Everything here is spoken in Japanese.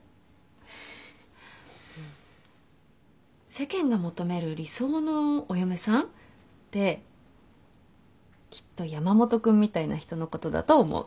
世間が求める理想のお嫁さんってきっと山本君みたいな人のことだと思う。